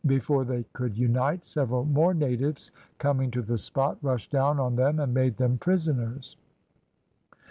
Before they could unite, several more natives coming to the spot, rushed down on them and made them prisoners.